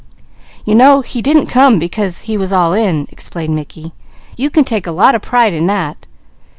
"You know he didn't come because he was all in," explained Mickey. "You can take a lot of pride in that.